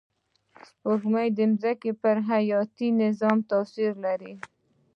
سپوږمۍ د ځمکې پر حیاتي نظام تأثیر لري